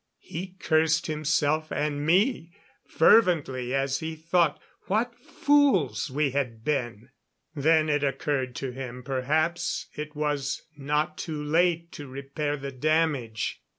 He cursed himself and me fervently as he thought what fools we had been. Then it occurred to him perhaps it was not too late to repair the damage.